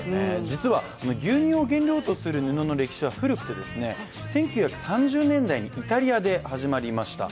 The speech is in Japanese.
実は牛乳を原料とする布の歴史は古くて古く、１９３０年代にイタリアで始まりました。